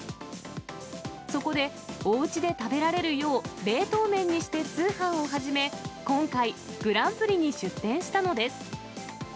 そこでおうちで食べられるよう、冷凍麺にして通販を始め、今回、グランプリに出展したのです。